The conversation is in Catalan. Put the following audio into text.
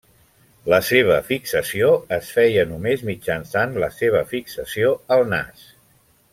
La seva fixació es feia només mitjançant la seva fixació al nas.